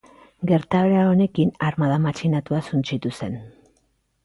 Gertaera honekin, armada matxinatua suntsitu zen.